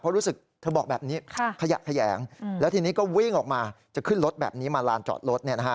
เพราะรู้สึกเธอบอกแบบนี้ขยะแขยงแล้วทีนี้ก็วิ่งออกมาจะขึ้นรถแบบนี้มาลานจอดรถ